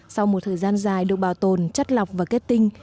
sau một thời gian dài được bảo tồn chất lọc và kết tinh